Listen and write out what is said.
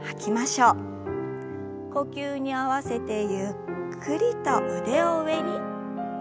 呼吸に合わせてゆっくりと腕を上に。